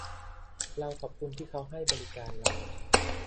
เราขอบคุณที่เค้าให้บริการเรา